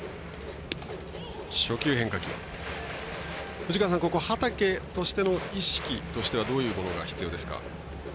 藤川さん、畠としての意識としてはどういうものが必要ですか？